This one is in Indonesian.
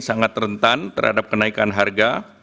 sangat rentan terhadap kenaikan harga